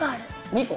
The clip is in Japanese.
２個。